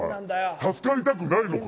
助かりたくないのか？